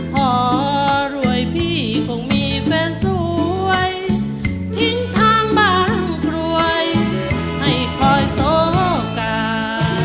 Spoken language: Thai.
พอรวยพี่คงมีแฟนสวยทิ้งทางบางกรวยให้คอยโสกา